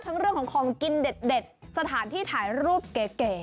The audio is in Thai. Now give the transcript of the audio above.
เรื่องของของกินเด็ดสถานที่ถ่ายรูปเก๋